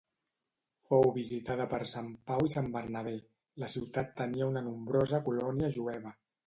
Fou visitada per Sant Pau i Sant Bernabé; la ciutat tenia una nombrosa colònia jueva.